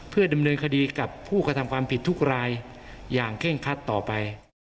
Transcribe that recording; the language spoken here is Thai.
เพื่อดำเนินคดีกับผู้กระทำความผิดทุกรายอย่างเคร่งคัดต่อไป